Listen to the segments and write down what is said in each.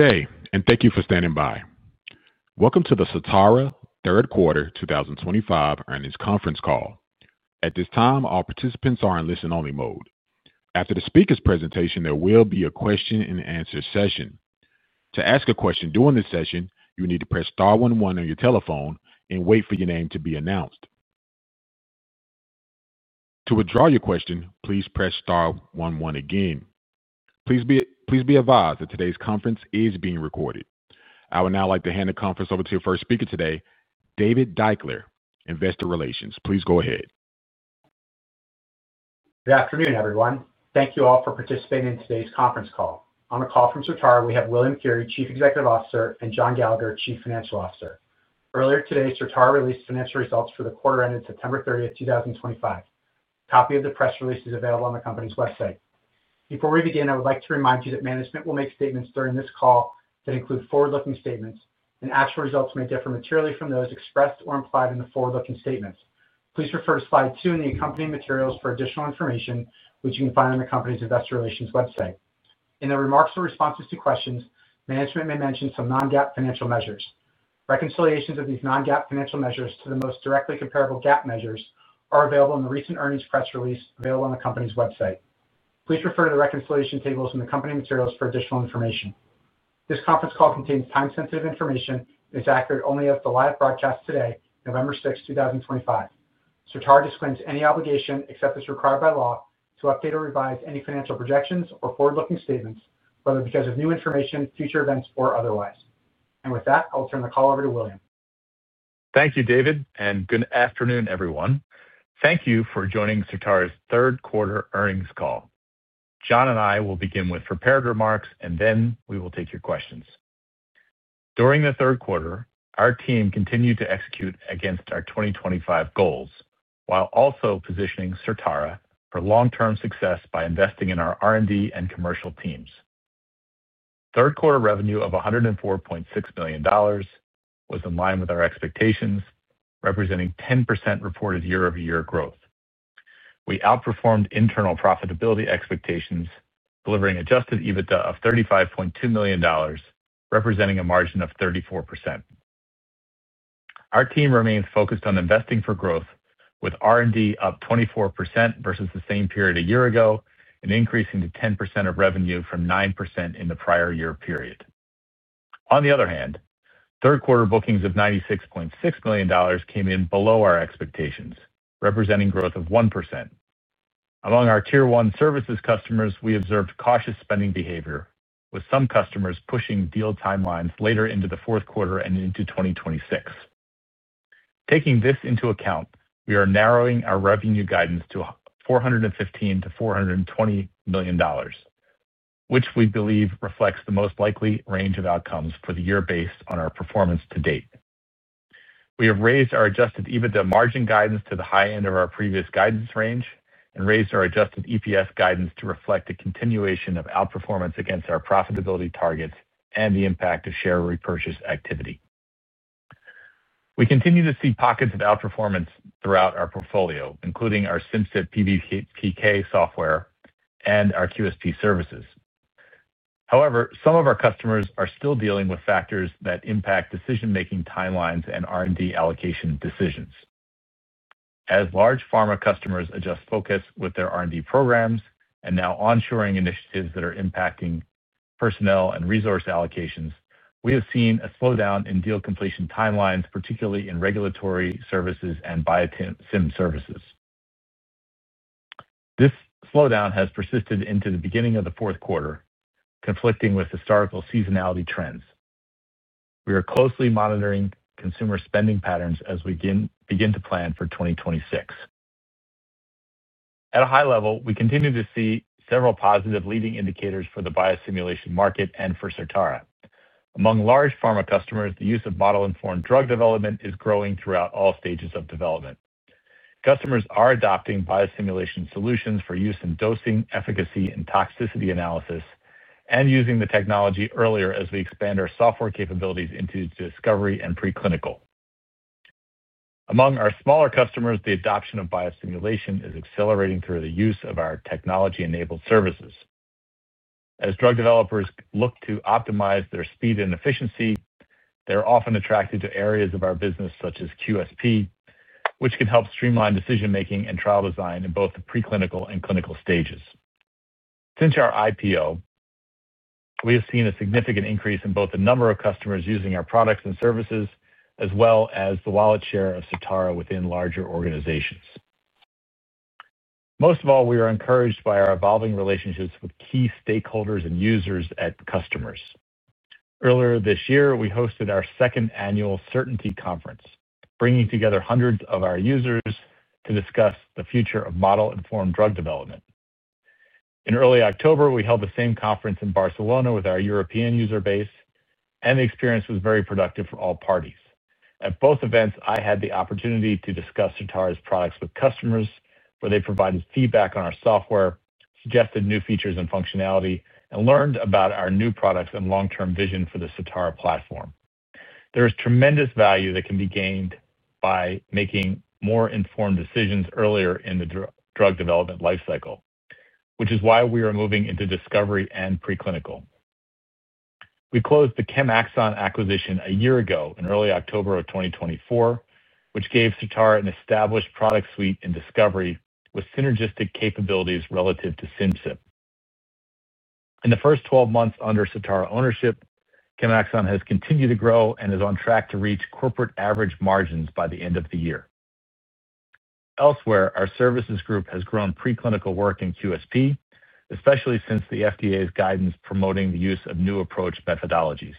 Good day, and thank you for standing by. Welcome to the Certara Q3 2025 earnings conference call. At this time, all participants are in listen-only mode. After the speaker's presentation, there will be a question-and-answer session. To ask a question during this session, you need to press Star one one on your telephone and wait for your name to be announced. To withdraw your question, please press Star one one again. Please be advised that today's conference is being recorded. I would now like to hand the conference over to your first speaker today, David Deuchler, Investor Relations. Please go ahead. Good afternoon, everyone. Thank you all for participating in today's conference call. On the call from Certara, we have William Feehery, Chief Executive Officer, and John Gallagher, Chief Financial Officer. Earlier today, Certara released financial results for the quarter ended September 30, 2025. A copy of the press release is available on the company's website. Before we begin, I would like to remind you that management will make statements during this call that include forward-looking statements, and actual results may differ materially from those expressed or implied in the forward-looking statements. Please refer to slide two in the accompanying materials for additional information, which you can find on the company's Investor Relations website. In the remarks or responses to questions, management may mention some non-GAAP financial measures. Reconciliations of these non-GAAP financial measures to the most directly comparable GAAP measures are available in the recent earnings press release available on the company's website. Please refer to the reconciliation tables in the accompanying materials for additional information. This conference call contains time-sensitive information and is accurate only as to live broadcast today, November 6, 2025. Certara disclaims any obligation, except as required by law, to update or revise any financial projections or forward-looking statements, whether because of new information, future events, or otherwise. With that, I will turn the call over to William. Thank you, David, and good afternoon, everyone. Thank you for joining Certara's Q3 earnings call. John and I will begin with prepared remarks, and then we will take your questions. During the Q3, our team continued to execute against our 2025 goals while also positioning Certara for long-term success by investing in our R&D and commercial teams. Q3 revenue of $104.6 million was in line with our expectations, representing 10% reported year-over-year growth. We outperformed internal profitability expectations, delivering adjusted EBITDA of $35.2 million, representing a margin of 34%. Our team remains focused on investing for growth, with R&D up 24% versus the same period a year ago and increasing to 10% of revenue from 9% in the prior year period. On the other hand, Q3 bookings of $96.6 million came in below our expectations, representing growth of 1%. Among our Tier 1 services customers, we observed cautious spending behavior, with some customers pushing deal timelines later into the Q4 and into 2026. Taking this into account, we are narrowing our revenue guidance to $415 million-$420 million, which we believe reflects the most likely range of outcomes for the year based on our performance to date. We have raised our adjusted EBITDA margin guidance to the high end of our previous guidance range and raised our adjusted EPS guidance to reflect a continuation of outperformance against our profitability targets and the impact of share repurchase activity. We continue to see pockets of outperformance throughout our portfolio, including our Simcyp PBPK software and our QSP services. However, some of our customers are still dealing with factors that impact decision-making timelines and R&D allocation decisions. As large pharma customers adjust focus with their R&D programs and now onshoring initiatives that are impacting personnel and resource allocations, we have seen a slowdown in deal completion timelines, particularly in regulatory services and Biosim Services. This slowdown has persisted into the beginning of the Q4, conflicting with historical seasonality trends. We are closely monitoring consumer spending patterns as we begin to plan for 2026. At a high level, we continue to see several positive leading indicators for the biosimulation market and for Certara. Among large pharma customers, the use of Model-informed Drug Development is growing throughout all stages of development. Customers are adopting biosimulation solutions for use in dosing, efficacy, and toxicity analysis, and using the technology earlier as we expand our software capabilities into discovery and preclinical. Among our smaller customers, the adoption of biosimulation is accelerating through the use of our technology-enabled services. As drug developers look to optimize their speed and efficiency, they are often attracted to areas of our business such as QSP, which can help streamline decision-making and trial design in both the preclinical and clinical stages. Since our IPO, we have seen a significant increase in both the number of customers using our products and services as well as the wallet share of Certara within larger organizations. Most of all, we are encouraged by our evolving relationships with key stakeholders and users and customers. Earlier this year, we hosted our second annual Certainty Conference, bringing together hundreds of our users to discuss the future of Model-Informed Drug Development. In early October, we held the same conference in Barcelona with our European user base, and the experience was very productive for all parties. At both events, I had the opportunity to discuss Certara's products with customers, where they provided feedback on our software, suggested new features and functionality, and learned about our new products and long-term vision for the Certara platform. There is tremendous value that can be gained by making more informed decisions earlier in the drug development lifecycle, which is why we are moving into discovery and preclinical. We closed the ChemAxon acquisition a year ago in early October of 2024, which gave Certara an established product suite in discovery with synergistic capabilities relative to Simcyp. In the first 12 months under Certara ownership, ChemAxon has continued to grow and is on track to reach corporate average margins by the end of the year. Elsewhere, our services group has grown preclinical work in QSP, especially since the FDA's guidance promoting the use of new approach methodologies.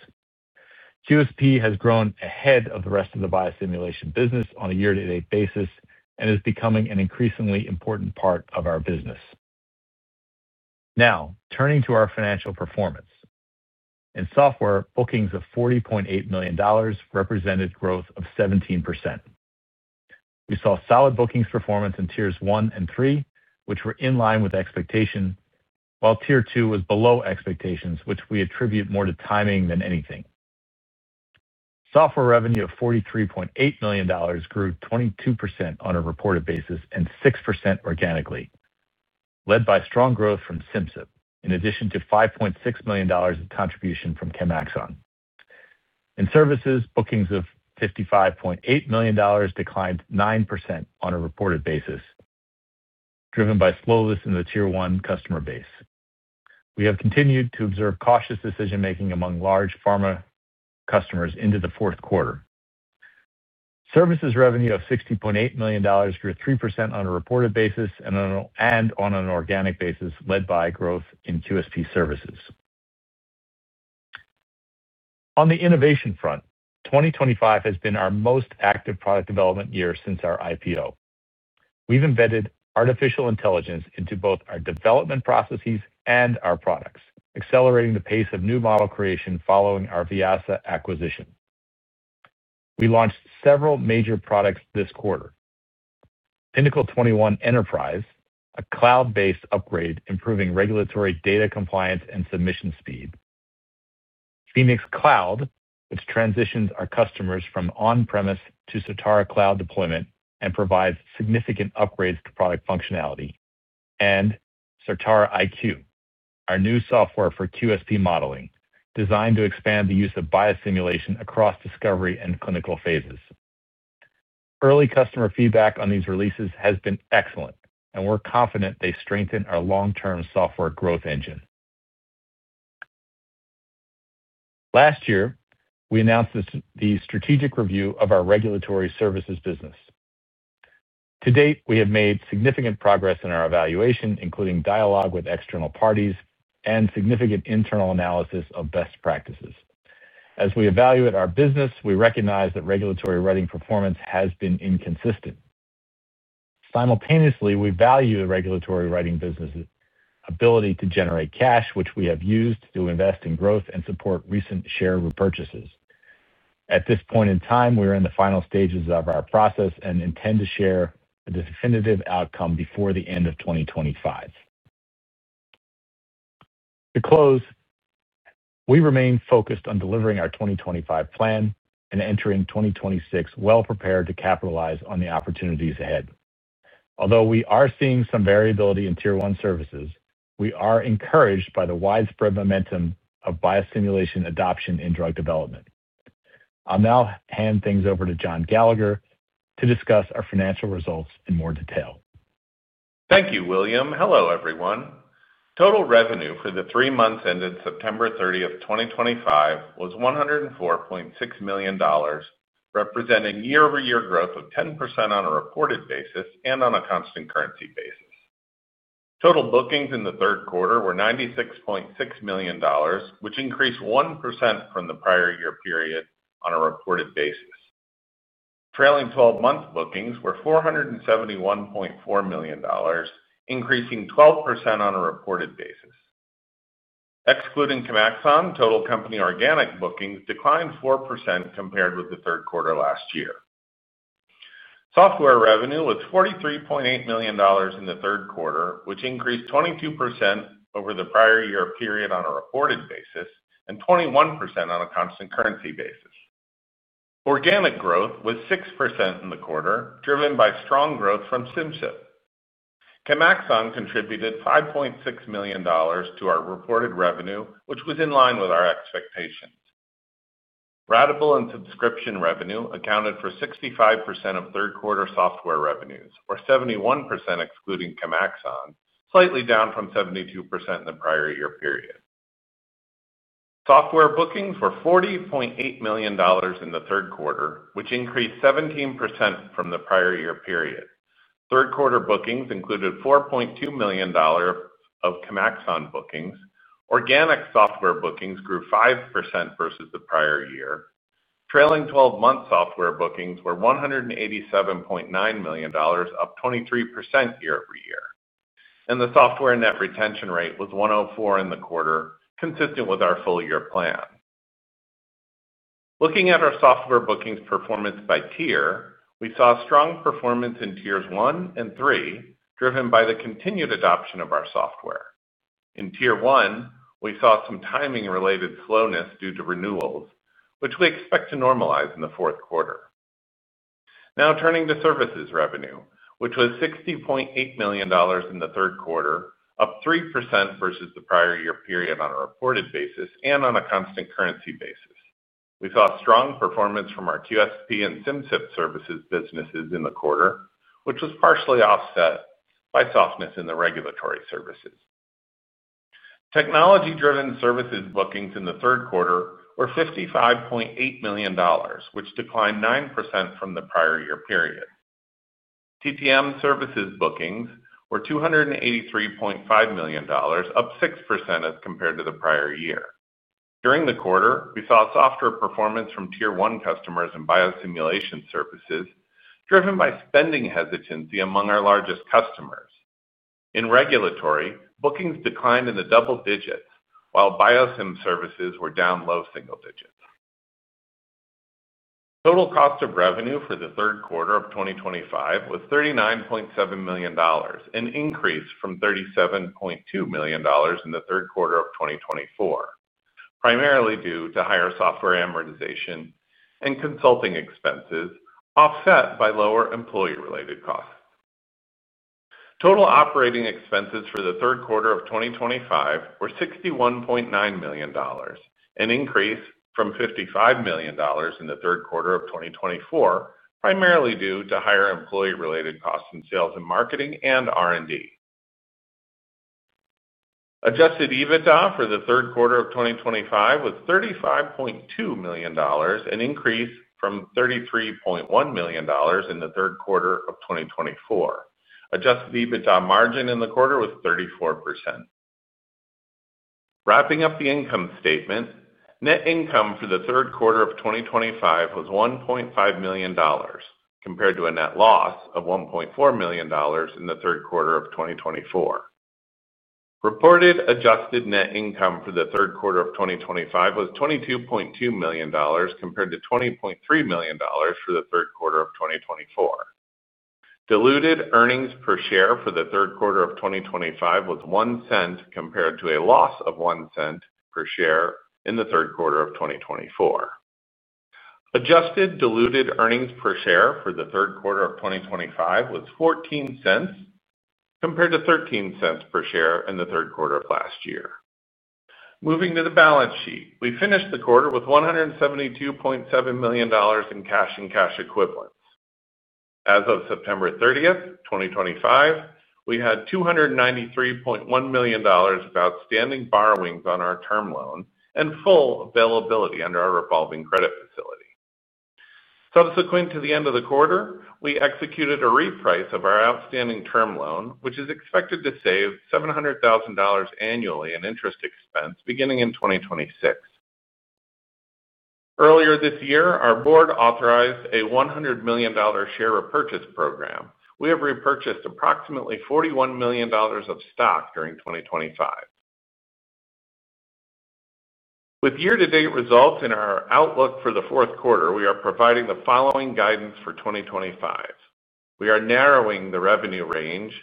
QSP has grown ahead of the rest of the biosimulation business on a year-to-date basis and is becoming an increasingly important part of our business. Now, turning to our financial performance. In software, bookings of $40.8 million represented growth of 17%. We saw solid bookings performance in Tiers 1 and 3, which were in line with expectations, while Tier 2 was below expectations, which we attribute more to timing than anything. Software revenue of $43.8 million grew 22% on a reported basis and 6% organically, led by strong growth from Simcyp, in addition to $5.6 million of contribution from ChemAxon. In services, bookings of $55.8 million declined 9% on a reported basis. Driven by slowness in the Tier 1 customer base. We have continued to observe cautious decision-making among large pharma customers into the Q4. Services revenue of $60.8 million grew 3% on a reported basis and on an organic basis, led by growth in QSP services. On the innovation front, 2025 has been our most active product development year since our IPO. We've embedded artificial intelligence into both our development processes and our products, accelerating the pace of new model creation following our VIA Science acquisition. We launched several major products this quarter. Pinnacle 21 Enterprise, a cloud-based upgrade improving regulatory data compliance and submission speed. Phoenix Cloud, which transitions our customers from on-premise to Certara Cloud deployment and provides significant upgrades to product functionality, and Certara IQ, our new software for QSP modeling, designed to expand the use of biosimulation across discovery and clinical phases. Early customer feedback on these releases has been excellent, and we're confident they strengthen our long-term software growth engine. Last year, we announced the strategic review of our regulatory services business. To date, we have made significant progress in our evaluation, including dialogue with external parties and significant internal analysis of best practices. As we evaluate our business, we recognize that regulatory writing performance has been inconsistent. Simultaneously, we value the regulatory writing business's ability to generate cash, which we have used to invest in growth and support recent share repurchases. At this point in time, we are in the final stages of our process and intend to share a definitive outcome before the end of 2025. To close, we remain focused on delivering our 2025 plan and entering 2026 well-prepared to capitalize on the opportunities ahead. Although we are seeing some variability in Tier 1 services, we are encouraged by the widespread momentum of biosimulation adoption in drug development. I'll now hand things over to John Gallagher to discuss our financial results in more detail. Thank you, William. Hello, everyone. Total revenue for the three months ended September 30, 2025, was $104.6 million, representing year-over-year growth of 10% on a reported basis and on a constant currency basis. Total bookings in the Q4 were $96.6 million, which increased 1% from the prior year period on a reported basis. Trailing 12-month bookings were $471.4 million, increasing 12% on a reported basis. Excluding ChemAxon, total company organic bookings declined 4% compared with the Q3 last year. Software revenue was $43.8 million in the Q4, which increased 22% over the prior year period on a reported basis and 21% on a constant currency basis. Organic growth was 6% in the quarter, driven by strong growth from Simcyp. ChemAxon contributed $5.6 million to our reported revenue, which was in line with our expectations. Ratable and subscription revenue accounted for 65% of Q3 software revenues, or 71% excluding ChemAxon, slightly down from 72% in the prior year period. Software bookings were $40.8 million in the Q4, which increased 17% from the prior year period. Q3 bookings included $4.2 million of ChemAxon bookings. Organic software bookings grew 5% versus the prior year. Trailing 12-month software bookings were $187.9 million, up 23% year-over-year. The software net retention rate was 104 in the quarter, consistent with our full-year plan. Looking at our Software Bookings Performance by Tier, we saw strong performance in Tiers 1 and 3, driven by the continued adoption of our software. In Tier 1, we saw some timing-related slowness due to renewals, which we expect to normalize in the Q4. Now, turning to services revenue, which was $60.8 million in the Q4, up 3% versus the prior year period on a reported basis and on a constant currency basis. We saw strong performance from our QSP and Simcyp services businesses in the quarter, which was partially offset by softness in the regulatory services. Technology-driven services bookings in the Q4 were $55.8 million, which declined 9% from the prior year period. TTM services bookings were $283.5 million, up 6% as compared to the prior year. During the quarter, we saw softer performance from Tier 1 customers and biosimulation services, driven by spending hesitancy among our largest customers. In regulatory, bookings declined in the double digits, while biosimulation services were down low single digits. Total cost of revenue for the Q4 of 2025 was $39.7 million, an increase from $37.2 million in the Q4 of 2024. Primarily due to higher software amortization and consulting expenses, offset by lower employee-related costs. Total operating expenses for the Q4 of 2025 were $61.9 million, an increase from $55 million in the Q4 of 2024, primarily due to higher employee-related costs in sales and marketing and R&D. Adjusted EBITDA for the Q4 of 2025 was $35.2 million, an increase from $33.1 million in the Q4 of 2024. Adjusted EBITDA margin in the quarter was 34%. Wrapping up the income statement, net income for the Q4 of 2025 was $1.5 million, compared to a net loss of $1.4 million in the Q4 of 2024. Reported adjusted net income for the Q4 of 2025 was $22.2 million, compared to $20.3 million for the Q4 of 2024. Diluted earnings per share for the Q4 of 2025 was $0.01, compared to a loss of $0.01 per share in the Q4 of 2024. Adjusted diluted earnings per share for the Q4 of 2025 was $0.14. Compared to $0.13 per share in the Q4 of last year. Moving to the balance sheet, we finished the quarter with $172.7 million in cash and cash equivalents. As of September 30, 2025, we had $293.1 million of outstanding borrowings on our term loan and full availability under our revolving credit facility. Subsequent to the end of the quarter, we executed a reprice of our outstanding term loan, which is expected to save $700,000 annually in interest expense beginning in 2026. Earlier this year, our board authorized a $100 million share repurchase program. We have repurchased approximately $41 million of stock during 2025. With year-to-date results in our outlook for the Q4, we are providing the following guidance for 2025. We are narrowing the revenue range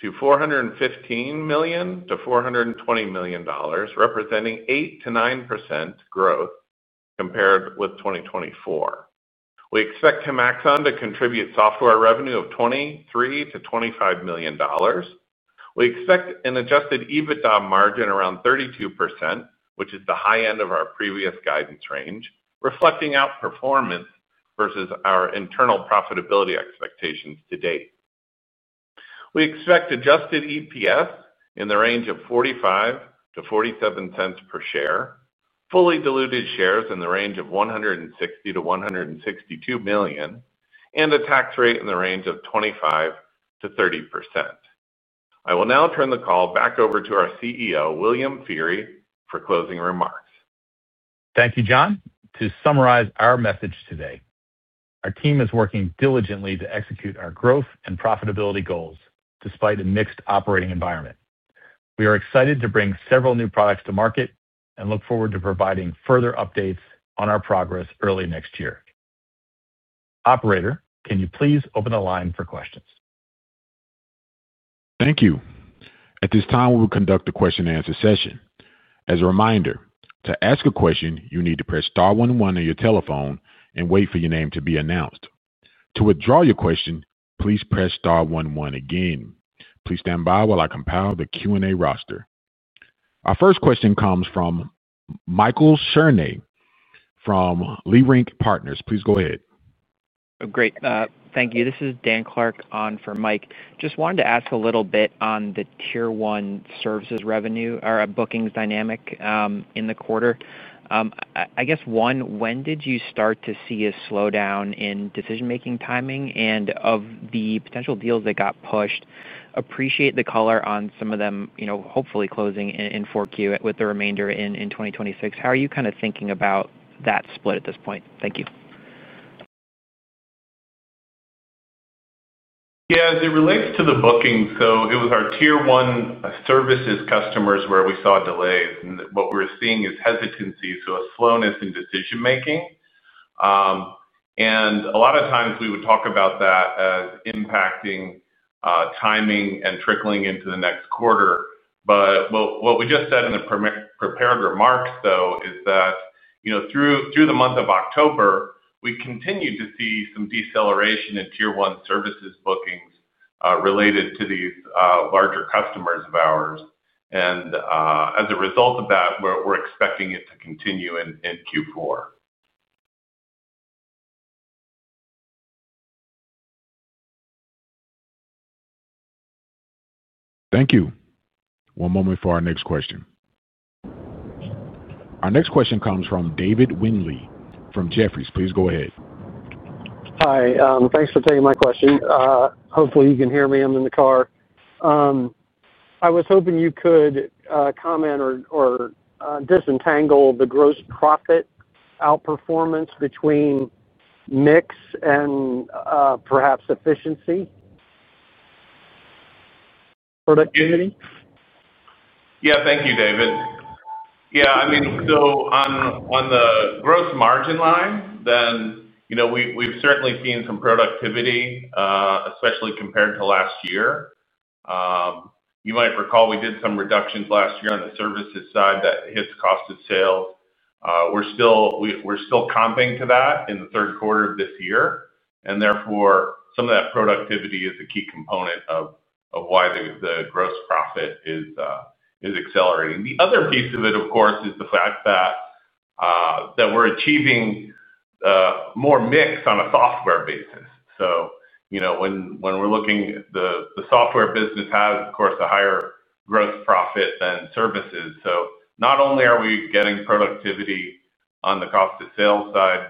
to $415 million-$420 million, representing 8%-9% growth compared with 2024. We expect ChemAxon to contribute software revenue of $23 million-$25 million. We expect an adjusted EBITDA margin around 32%, which is the high end of our previous guidance range, reflecting outperformance versus our internal profitability expectations to date. We expect adjusted EPS in the range of $0.45-$0.47 per share, fully diluted shares in the range of 160 million-162 million, and a tax rate in the range of 25%-30%. I will now turn the call back over to our CEO, William Feehery, for closing remarks. Thank you, John. To summarize our message today, our team is working diligently to execute our growth and profitability goals despite a mixed operating environment. We are excited to bring several new products to market and look forward to providing further updates on our progress early next year. Operator, can you please open the line for questions? Thank you. At this time, we will conduct a question-and-answer session. As a reminder, to ask a question, you need to press star one one on your telephone and wait for your name to be announced. To withdraw your question, please press star one one again. Please stand by while I compile the Q&A roster. Our first question comes from Michael Cherny from Leerink Partners. Please go ahead. Great. Thank you. This is Dan Clark on for Mike. Just wanted to ask a little bit on the Tier 1 services revenue or bookings dynamic in the quarter. I guess, one, when did you start to see a slowdown in decision-making timing and of the potential deals that got pushed? Appreciate the color on some of them, hopefully closing in 4Q with the remainder in 2026. How are you kind of thinking about that split at this point? Thank you. Yeah. As it relates to the bookings, it was our Tier 1 services customers where we saw delays. What we're seeing is hesitancy, so a slowness in decision-making. A lot of times, we would talk about that as impacting timing and trickling into the next quarter. What we just said in the prepared remarks, though, is that through the month of October, we continued to see some deceleration in Tier 1 services bookings related to these larger customers of ours. As a result of that, we're expecting it to continue in Q4. Thank you. One moment for our next question. Our next question comes from David Windley from Jefferies. Please go ahead. Hi. Thanks for taking my question. Hopefully, you can hear me. I'm in the car. I was hoping you could comment or disentangle the gross profit outperformance between mix and perhaps efficiency, productivity. Yeah. Thank you, David. Yeah. I mean, on the gross margin line, then. We've certainly seen some productivity, especially compared to last year. You might recall we did some reductions last year on the services side that hit the cost of sales. We're still comping to that in the Q3 of this year. Therefore, some of that productivity is a key component of why the gross profit is accelerating. The other piece of it, of course, is the fact that we're achieving more mix on a software basis. When we're looking, the software business has, of course, a higher gross profit than services. Not only are we getting productivity on the cost of sales side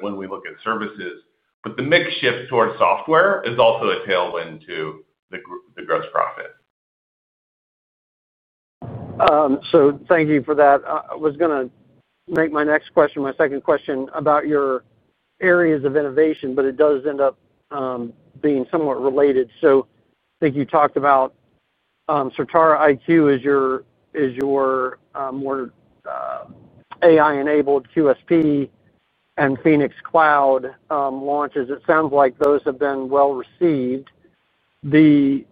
when we look at services, but the mix shift towards software is also a tailwind to the gross profit. Thank you for that. I was going to make my next question, my second question, about your areas of innovation, but it does end up being somewhat related. I think you talked about Certara IQ as your more AI-enabled QSP and Phoenix Cloud launches. It sounds like those have been well received. The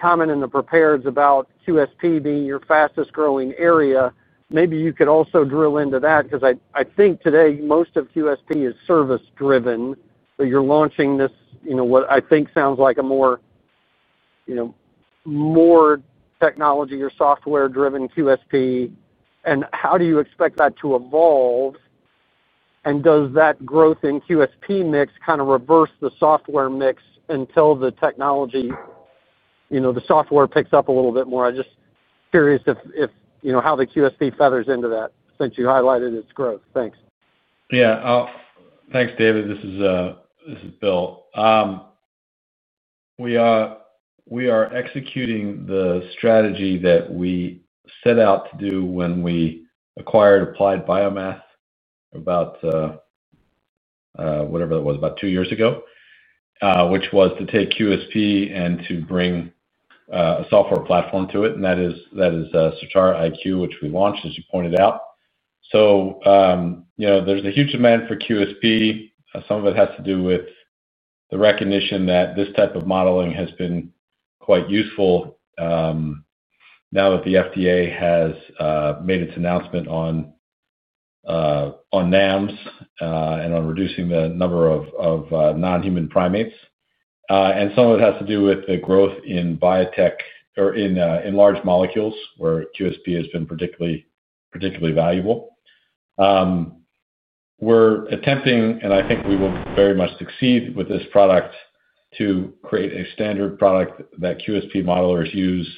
comment in the prepared is about QSP being your fastest-growing area. Maybe you could also drill into that because I think today most of QSP is service-driven. You are launching this, what I think sounds like a more technology or software-driven QSP. How do you expect that to evolve? Does that growth in QSP mix kind of reverse the software mix until the technology, the software picks up a little bit more? I am just curious how the QSP feathers into that since you highlighted its growth. Thanks. Yeah. Thanks, David. This is Bill. We are executing the strategy that we set out to do when we acquired Applied BioMath about, whatever it was, about two years ago. Which was to take QSP and to bring a software platform to it. That is Certara IQ, which we launched, as you pointed out. There is a huge demand for QSP. Some of it has to do with the recognition that this type of modeling has been quite useful. Now that the FDA has made its announcement on NAMs and on reducing the number of non-human primates. Some of it has to do with the growth in large molecules, where QSP has been particularly valuable. We are attempting, and I think we will very much succeed with this product, to create a standard product that QSP modelers use.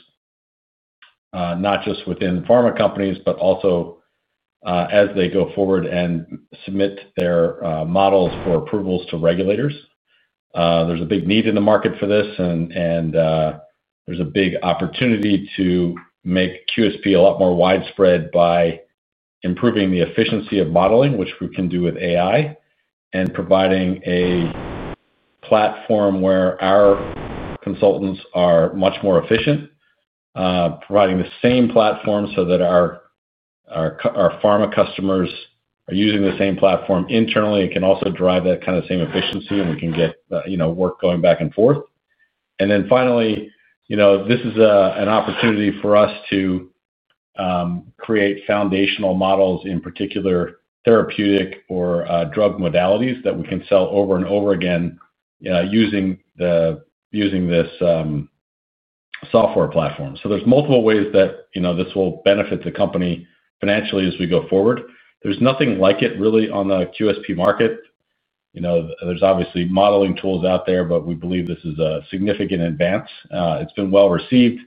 Not just within pharma companies, but also. As they go forward and submit their models for approvals to regulators, there's a big need in the market for this, and there's a big opportunity to make QSP a lot more widespread by improving the efficiency of modeling, which we can do with AI, and providing a platform where our consultants are much more efficient. Providing the same platform so that our pharma customers are using the same platform internally, it can also drive that kind of same efficiency, and we can get work going back and forth. Then finally, this is an opportunity for us to create foundational models, in particular therapeutic or drug modalities, that we can sell over and over again using this software platform. There are multiple ways that this will benefit the company financially as we go forward. There's nothing like it, really, on the QSP market. There's obviously modeling tools out there, but we believe this is a significant advance. It's been well received.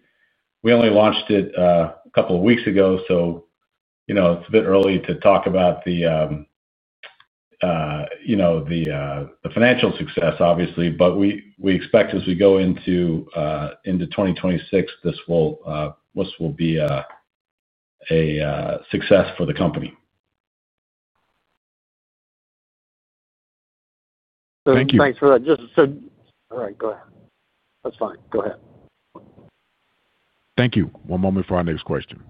We only launched it a couple of weeks ago, so it's a bit early to talk about the financial success, obviously. We expect, as we go into 2026, this will be a success for the company. Thank you. Thanks for that. All right. Go ahead. That's fine. Go ahead. Thank you. One moment for our next question.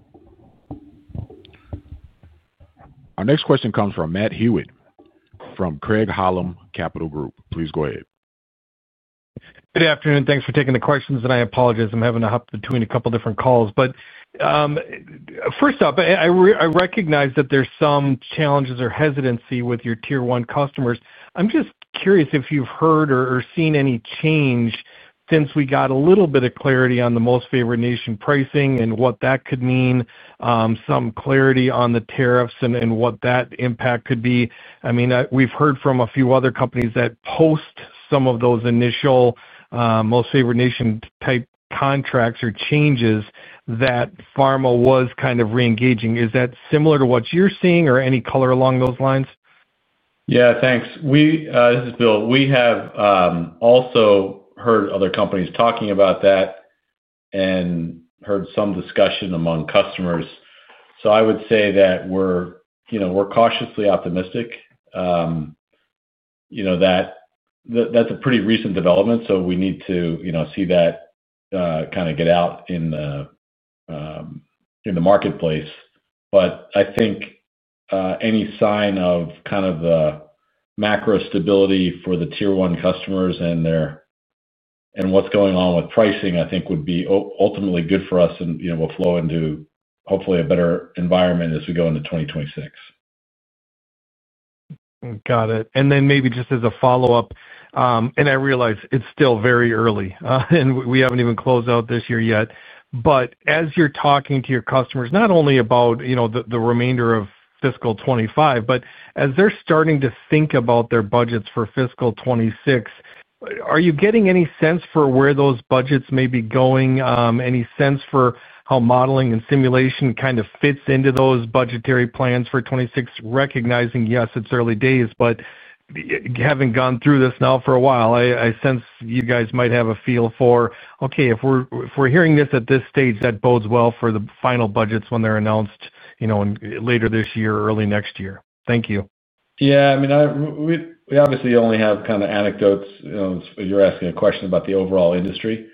Our next question comes from Matt Hewitt from Craig Hallum Capital Group. Please go ahead. Good afternoon. Thanks for taking the questions. I apologize. I'm having to hop between a couple of different calls. First off, I recognize that there's some challenges or hesitancy with your Tier 1 customers. I'm just curious if you've heard or seen any change since we got a little bit of clarity on the most favored nation pricing and what that could mean, some clarity on the tariffs and what that impact could be. I mean, we've heard from a few other companies that post some of those initial most favored nation-type contracts or changes that pharma was kind of re-engaging. Is that similar to what you're seeing or any color along those lines? Yeah. Thanks. This is Bill. We have also heard other companies talking about that and heard some discussion among customers. I would say that we're cautiously optimistic. That is a pretty recent development, so we need to see that kind of get out in the marketplace. I think any sign of kind of the macro stability for the Tier 1 customers and what's going on with pricing, I think, would be ultimately good for us and will flow into, hopefully, a better environment as we go into 2026. Got it. Maybe just as a follow-up, and I realize it's still very early, and we haven't even closed out this year yet, but as you're talking to your customers not only about the remainder of fiscal 2025, but as they're starting to think about their budgets for fiscal 2026. Are you getting any sense for where those budgets may be going, any sense for how modeling and simulation kind of fits into those budgetary plans for 2026, recognizing, yes, it's early days, but having gone through this now for a while, I sense you guys might have a feel for, "Okay. If we're hearing this at this stage, that bodes well for the final budgets when they're announced later this year or early next year." Thank you. Yeah. I mean, we obviously only have kind of anecdotes if you're asking a question about the overall industry.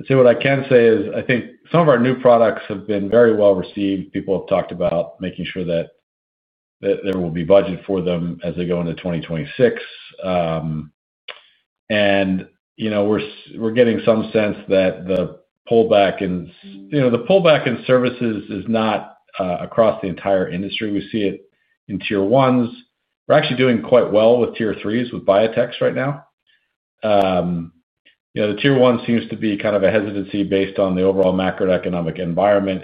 I'd say what I can say is I think some of our new products have been very well received. People have talked about making sure that there will be budget for them as they go into 2026. We're getting some sense that the pullback in services is not across the entire industry. We see it in Tier 1s. We're actually doing quite well with Tier 3s with biotechs right now. The Tier 1 seems to be kind of a hesitancy based on the overall macroeconomic environment.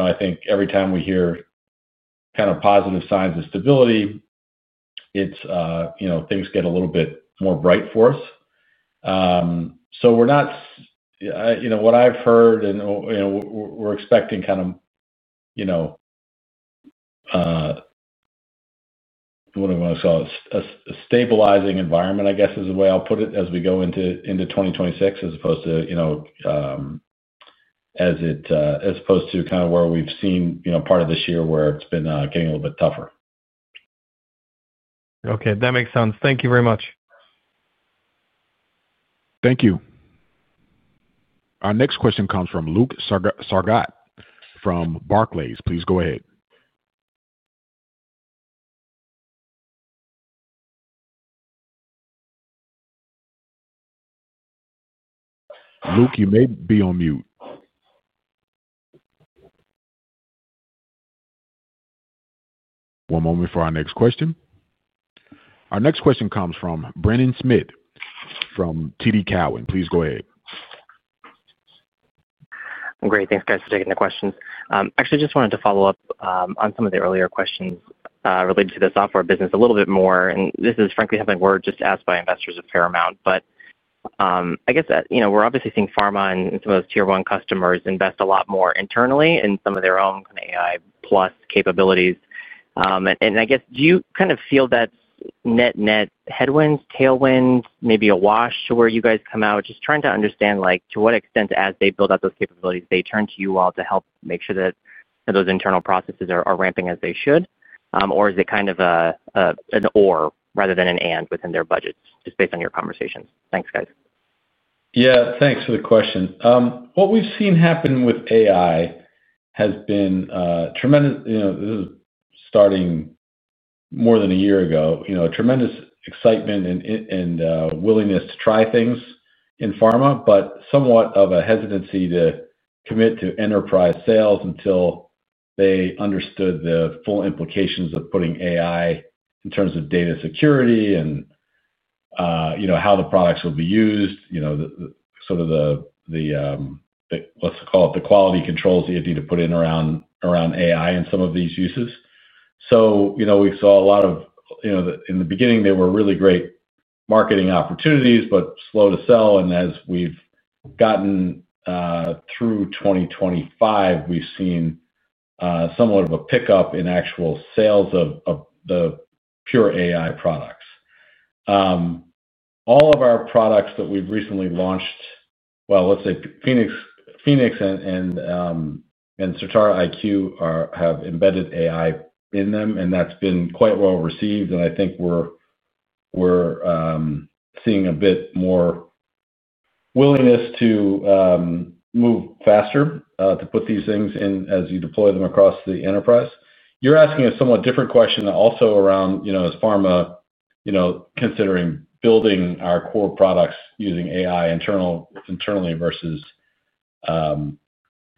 I think every time we hear kind of positive signs of stability, things get a little bit more bright for us. We're not, what I've heard, and we're expecting kind of, what do you want to call it? A stabilizing environment, I guess, is the way I'll put it, as we go into 2026, as opposed to kind of where we've seen part of this year where it's been getting a little bit tougher. Okay. That makes sense. Thank you very much. Thank you. Our next question comes from Luke Sergott from Barclays. Please go ahead. Luke, you may be on mute. One moment for our next question. Our next question comes from Brennan Smith from TD Cowen. Please go ahead. Great. Thanks, guys, for taking the questions. Actually, just wanted to follow up on some of the earlier questions related to the software business a little bit more. This is, frankly, something we're just asked by investors a fair amount. I guess we're obviously seeing pharma and some of those Tier 1 customers invest a lot more internally in some of their own kind of AI-plus capabilities. I guess, do you kind of feel that's net-net headwinds, tailwinds, maybe a wash to where you guys come out? Just trying to understand to what extent, as they build out those capabilities, they turn to you all to help make sure that those internal processes are ramping as they should. Is it kind of an or rather than an and within their budgets, just based on your conversations? Thanks, guys. Yeah. Thanks for the question. What we've seen happen with AI has been tremendous. This is starting more than a year ago, tremendous excitement and willingness to try things in pharma, but somewhat of a hesitancy to commit to enterprise sales until they understood the full implications of putting AI in terms of data security and how the products will be used, sort of the, let's call it the quality controls that you have to put in around AI and some of these uses. We saw a lot of, in the beginning, they were really great marketing opportunities, but slow to sell. As we've gotten through 2025, we've seen somewhat of a pickup in actual sales of the pure AI products. All of our products that we've recently launched, well, let's say Phoenix and Certara IQ have embedded AI in them, and that's been quite well received. I think we're seeing a bit more willingness to move faster, to put these things in as you deploy them across the enterprise. You're asking a somewhat different question also around, as pharma, considering building our core products using AI internally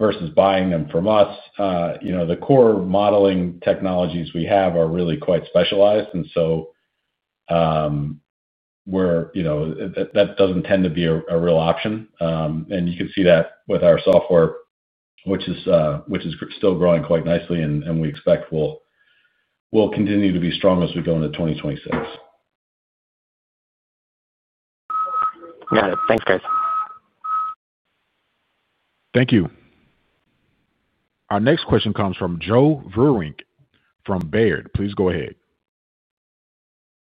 versus buying them from us. The core modeling technologies we have are really quite specialized. That doesn't tend to be a real option. You can see that with our software, which is still growing quite nicely, and we expect will continue to be strong as we go into 2026. Got it. Thanks, guys. Thank you. Our next question comes from Joe Vruwink from Baird. Please go ahead.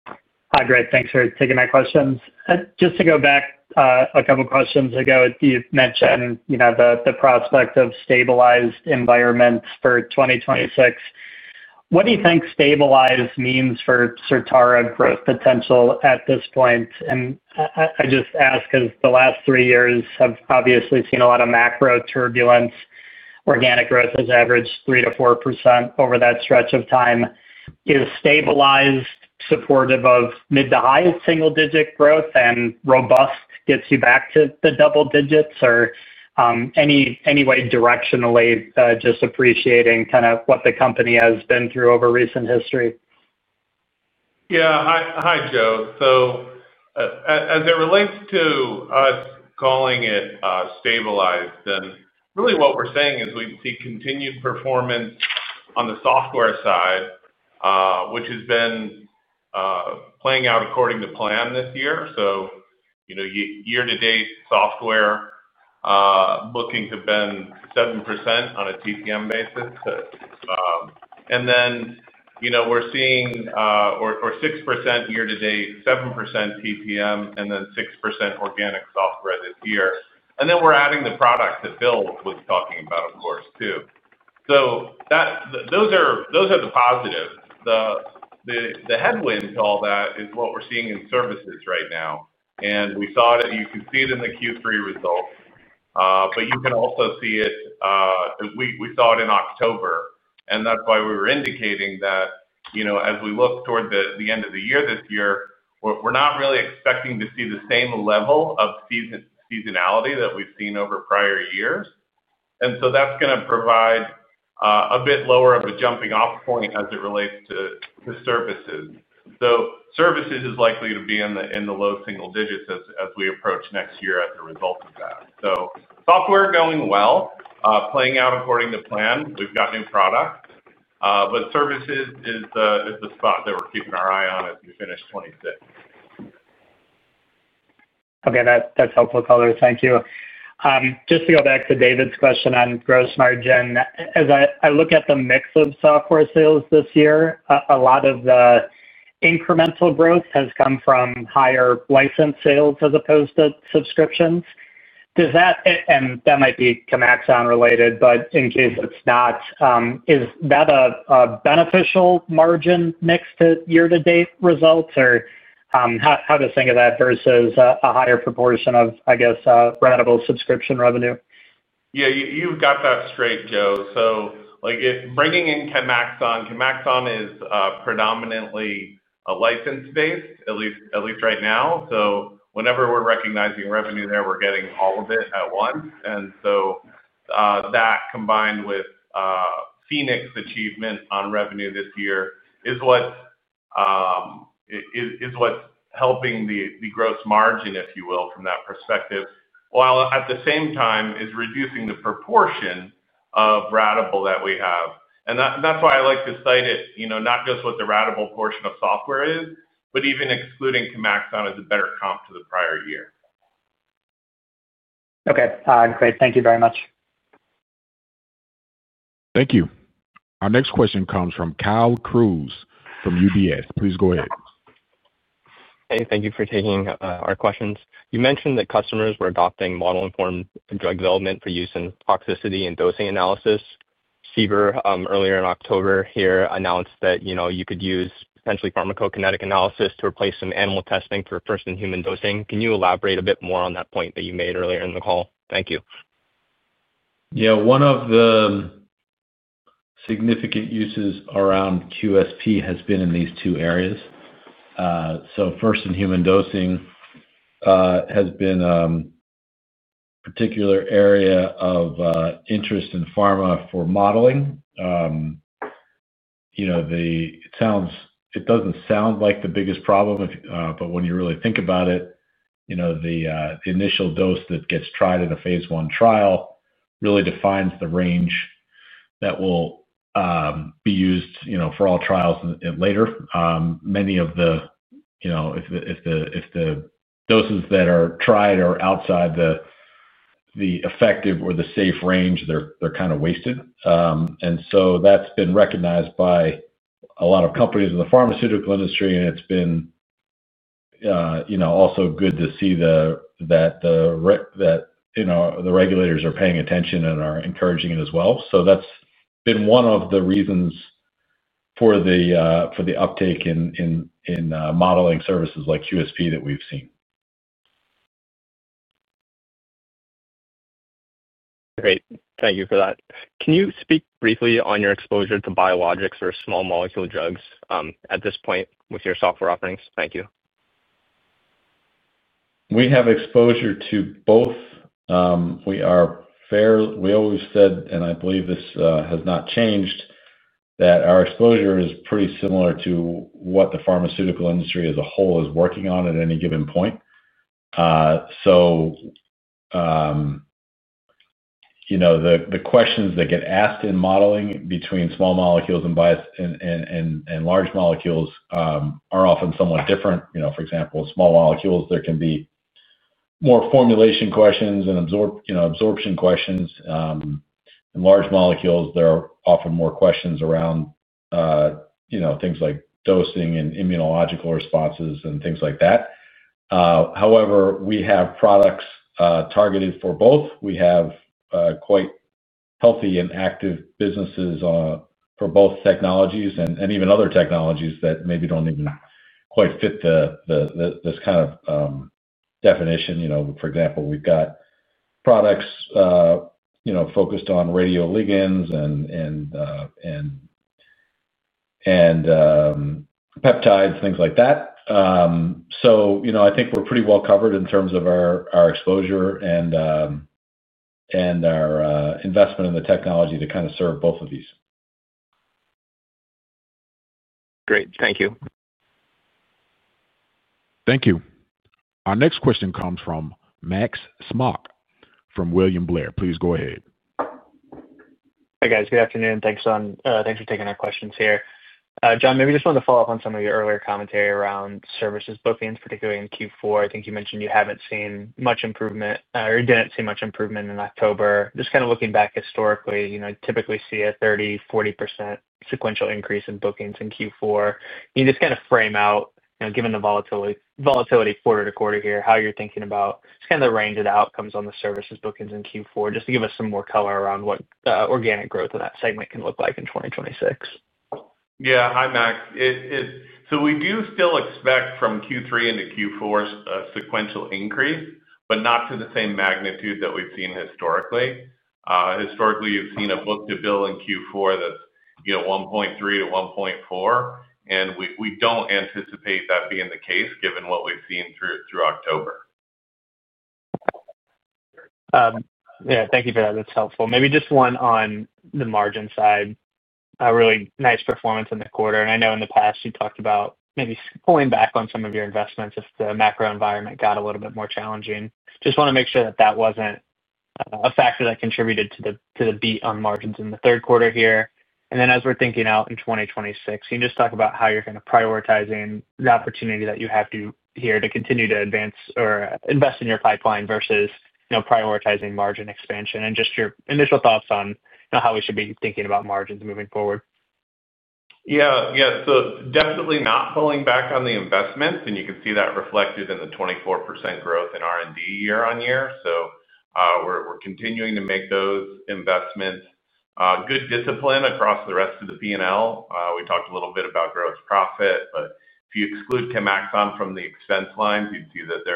Hi, John. Thanks for taking my questions. Just to go back a couple of questions ago, you mentioned the prospect of stabilized environments for 2026. What do you think stabilized means for Certara growth potential at this point? I just ask because the last three years have obviously seen a lot of macro turbulence. Organic growth has averaged 3-4% over that stretch of time. Is stabilized supportive of mid to high single-digit growth and robust gets you back to the double digits? Or any way directionally just appreciating kind of what the company has been through over recent history? Yeah. Hi, Joe. As it relates to us calling it stabilized, then really what we're saying is we see continued performance on the software side, which has been playing out according to plan this year. Year-to-date software looking to be 7% on a TPM basis. We're seeing 6% year-to-date, 7% TPM, and then 6% organic software this year. We're adding the product that Bill was talking about, of course, too. Those are the positives. The headwind to all that is what we're seeing in services right now. We saw it. You can see it in the Q3 results, but you can also see it. We saw it in October. That's why we were indicating that. As we look toward the end of the year this year, we're not really expecting to see the same level of seasonality that we've seen over prior years. That is going to provide a bit lower of a jumping-off point as it relates to services. Services is likely to be in the low single digits as we approach next year as a result of that. Software going well, playing out according to plan. We've got new products. Services is the spot that we're keeping our eye on as we finish 2026. Okay. That's helpful, Color. Thank you. Just to go back to David's question on gross margin, as I look at the mix of software sales this year, a lot of the incremental growth has come from higher license sales as opposed to subscriptions. And that might be ChemAxon related, but in case it's not. Is that a beneficial margin mix to year-to-date results? Or. How to think of that versus a higher proportion of, I guess, ratable subscription revenue? Yeah. You've got that straight, Joe. Bringing in ChemAxon, ChemAxon is predominantly license-based, at least right now. Whenever we're recognizing revenue there, we're getting all of it at once. That combined with Phoenix achievement on revenue this year is what's helping the gross margin, if you will, from that perspective, while at the same time is reducing the proportion of ratable that we have. That's why I like to cite it, not just what the ratable portion of software is, but even excluding ChemAxon is a better comp to the prior year. Okay. Great. Thank you very much. Thank you. Our next question comes from Kyle Kruesi from UBS. Please go ahead. Hey. Thank you for taking our questions. You mentioned that customers were adopting model-informed drug development for use in toxicity and dosing analysis. CDER, earlier in October here, announced that you could use essentially Pharmacokinetic analysis to replace some animal testing for first-in-human dosing. Can you elaborate a bit more on that point that you made earlier in the call? Thank you. Yeah. One of the significant uses around QSP has been in these two areas. First-in-human dosing has been a particular area of interest in pharma for modeling. It does not sound like the biggest problem. When you really think about it, the initial dose that gets tried in a phase one trial really defines the range that will be used for all trials later. If the doses that are tried are outside the effective or the safe range, they are kind of wasted. That has been recognized by a lot of companies in the pharmaceutical industry, and it has been good to see that the regulators are paying attention and are encouraging it as well. That has been one of the reasons for the uptake in modeling services like QSP that we have seen. Great. Thank you for that. Can you speak briefly on your exposure to biologics or small molecule drugs at this point with your software offerings? Thank you. We have exposure to both. We always said, and I believe this has not changed, that our exposure is pretty similar to what the pharmaceutical industry as a whole is working on at any given point. The questions that get asked in modeling between small molecules and large molecules are often somewhat different. For example, small molecules, there can be more formulation questions and absorption questions. In large molecules, there are often more questions around things like dosing and immunological responses and things like that. However, we have products targeted for both. We have quite healthy and active businesses for both technologies and even other technologies that maybe do not even quite fit this kind of definition. For example, we have products focused on radioligands and peptides, things like that. I think we are pretty well covered in terms of our exposure. Our investment in the technology to kind of serve both of these. Great. Thank you. Thank you. Our next question comes from Max Smock from William Blair. Please go ahead. Hey, guys. Good afternoon. Thanks for taking our questions here. John, maybe I just wanted to follow up on some of your earlier commentary around services bookings, particularly in Q4. I think you mentioned you have not seen much improvement or did not see much improvement in October. Just kind of looking back historically, you typically see a 30-40% sequential increase in bookings in Q4. Can you just kind of frame out, given the volatility quarter to quarter here, how you are thinking about just kind of the range of outcomes on the services bookings in Q4, just to give us some more color around what organic growth in that segment can look like in 2026? Yeah. Hi, Max. So we do still expect from Q3 into Q4 a sequential increase, but not to the same magnitude that we've seen historically. Historically, you've seen a book-to-bill in Q4 that's 1.3-1.4, and we don't anticipate that being the case given what we've seen through October. Yeah. Thank you for that. That's helpful. Maybe just one on the margin side. Really nice performance in the quarter. I know in the past you talked about maybe pulling back on some of your investments if the macro environment got a little bit more challenging. Just want to make sure that that wasn't a factor that contributed to the beat on margins in the third quarter here. As we're thinking out in 2026, can you just talk about how you're kind of prioritizing the opportunity that you have here to continue to advance or invest in your pipeline versus prioritizing margin expansion? Just your initial thoughts on how we should be thinking about margins moving forward. Yeah. Yeah. Definitely not pulling back on the investments. You can see that reflected in the 24% growth in R&D year on year. We are continuing to make those investments. Good discipline across the rest of the P&L. We talked a little bit about gross profit, but if you exclude ChemAxon from the expense lines, you'd see that they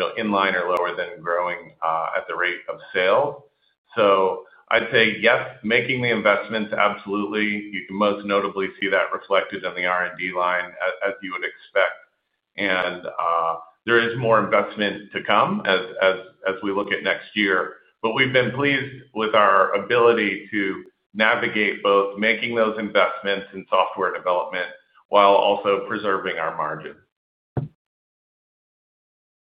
are in line or lower than growing at the rate of sale. I'd say, yes, making the investments, absolutely. You can most notably see that reflected in the R&D line as you would expect. There is more investment to come as we look at next year. We have been pleased with our ability to navigate both making those investments in software development while also preserving our margin.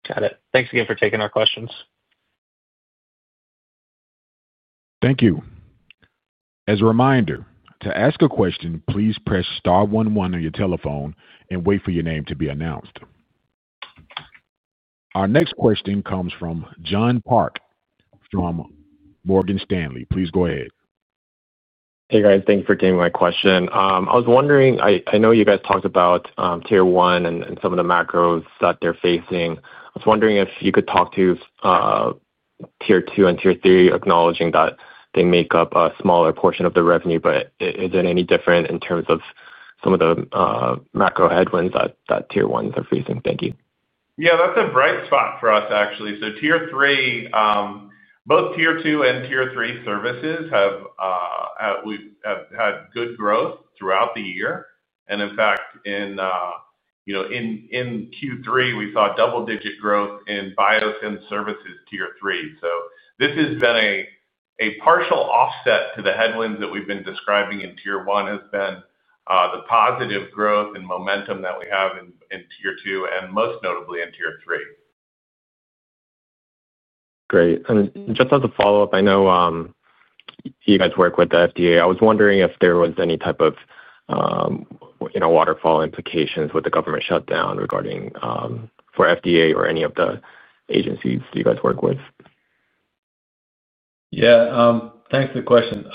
Got it. Thanks again for taking our questions. Thank you. As a reminder, to ask a question, please press star one one on your telephone and wait for your name to be announced. Our next question comes from John Park from Morgan Stanley. Please go ahead. Hey, guys. Thank you for taking my question. I was wondering, I know you guys talked about Tier 1 and some of the macros that they're facing. I was wondering if you could talk to Tier 2 and Tier 3, acknowledging that they make up a smaller portion of the revenue, but is it any different in terms of some of the macro headwinds that Tier 1s are facing? Thank you. Yeah. That's a bright spot for us, actually. Tier 3, both Tier 2 and tier 3 services, have had good growth throughout the year. In fact, in Q3, we saw double-digit growth in bios and services Tier 3. This has been a partial offset to the headwinds that we've been describing in Tier 1. The positive growth and momentum that we have in Tier 2 and most notably in Tier 3. Great. And just as a follow-up, I know. You guys work with the FDA. I was wondering if there was any type of waterfall implications with the government shutdown regarding, for FDA or any of the agencies that you guys work with. Yeah. Thanks for the question.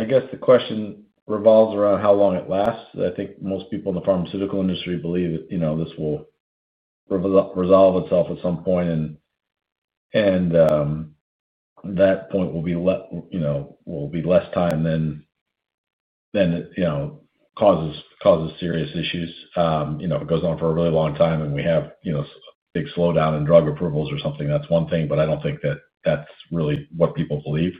I guess the question revolves around how long it lasts. I think most people in the pharmaceutical industry believe that this will resolve itself at some point. That point will be less, and then it causes serious issues if it goes on for a really long time, and we have a big slowdown in drug approvals or something. That's one thing, but I don't think that that's really what people believe.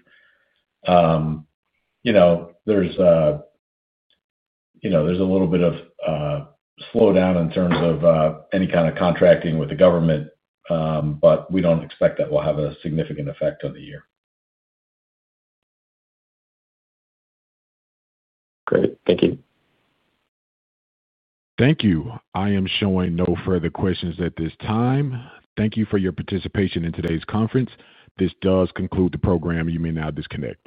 There's a little bit of slowdown in terms of any kind of contracting with the government. We don't expect that will have a significant effect on the year. Great. Thank you. Thank you. I am showing no further questions at this time. Thank you for your participation in today's conference. This does conclude the program. You may now disconnect.